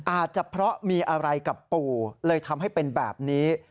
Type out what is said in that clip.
อาจจะเพราะมีอะไรกับปู่เลยทำให้เป็นแบบนี้